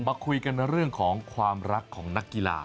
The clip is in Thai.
มาคุยกันเรื่องของความรักของนักกีฬา